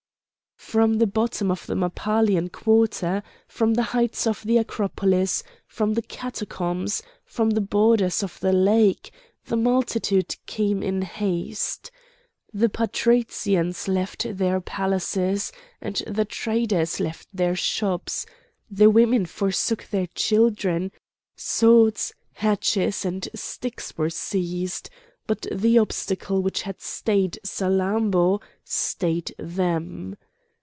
From the bottom of the Mappalian quarter, from the heights of the Acropolis, from the catacombs, from the borders of the lake, the multitude came in haste. The patricians left their palaces, and the traders left their shops; the women forsook their children; swords, hatchets, and sticks were seized; but the obstacle which had stayed Salammbô stayed them.